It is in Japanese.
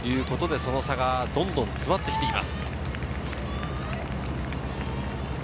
その差がどんどん詰まってきています。